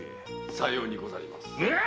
さようにございます。